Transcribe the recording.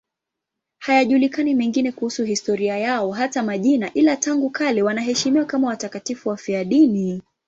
Hayajulikani mengine kuhusu historia yao, hata majina, ila tangu kale wanaheshimiwa kama watakatifu wafiadini.